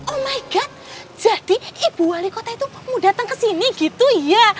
oh my gut jadi ibu wali kota itu mau datang ke sini gitu ya